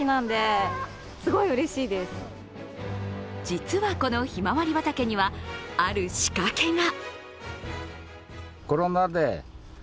実は、このひまわり畑には、ある仕掛けが。